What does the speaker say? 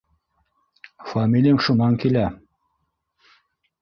—Фамилияң шунан килә